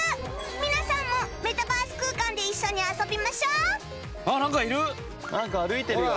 皆さんもメタバース空間で一緒に遊びましょ！なんか歩いてるよ！